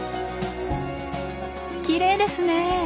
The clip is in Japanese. きれいですね！